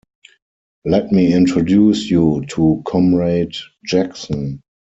Let me introduce you to Comrade Jackson.